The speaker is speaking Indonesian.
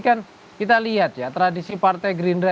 kan kita lihat ya tradisi partai gerindra